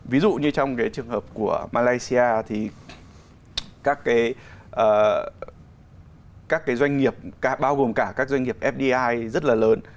ví dụ như trong cái trường hợp của malaysia thì các cái doanh nghiệp bao gồm cả các doanh nghiệp fdi rất là lớn